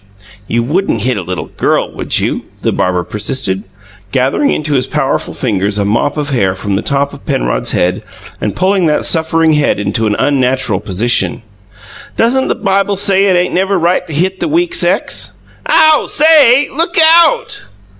"You wouldn't hit a little girl, would you?" the barber persisted, gathering into his powerful fingers a mop of hair from the top of Penrod's head and pulling that suffering head into an unnatural position. "Doesn't the Bible say it ain't never right to hit the weak sex?" "Ow! SAY, look OUT!"